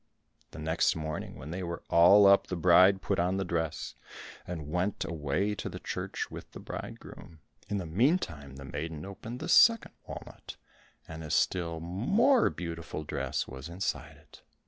The next morning when they were all up, the bride put on the dress, and went away to the church with the bridegroom. In the meantime the maiden opened the second walnut, and a still more beautiful dress was inside it.